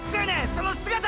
その姿！！